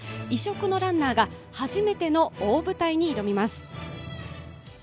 異色のランナーが初めての大舞台に挑みます。